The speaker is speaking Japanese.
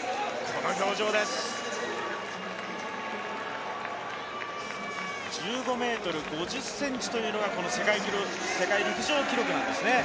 この表情です、１５ｍ５０ｃｍというのが世界陸上記録なんですね。